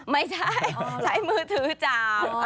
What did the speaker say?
ไม่ใช่ใช้มือถือจ่า